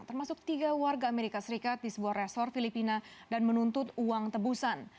termasuk tiga warga amerika serikat di sebuah resor filipina dan menuntut uang tebusan